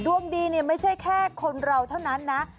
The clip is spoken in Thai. ดวงดีเนี่ยไม่ใช่แค่คนเราเท่านั้นนะ